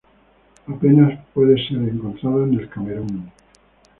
Apenas puede ser encontrada en Camerún.